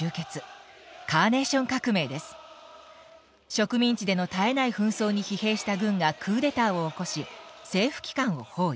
植民地での絶えない紛争に疲弊した軍がクーデターを起こし政府機関を包囲。